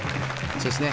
そうですね